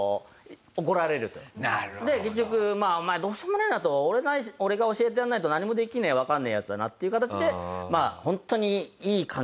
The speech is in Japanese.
で結局お前どうしようもねえなと。俺が教えてやんないと何もできねえわかんねえヤツだなっていう形でホントに。